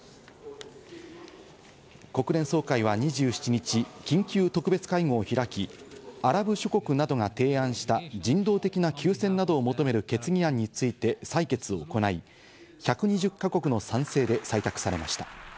国連総会は２７日、緊急特別会合を開き、アラブ諸国などが提案した人道的な休戦などを求める決議案について採決を行い、１２０か国の賛成で採択されました。